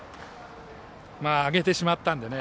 上げてしまったのでね。